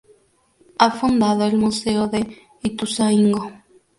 Ha fundado el Museo de Ituzaingó.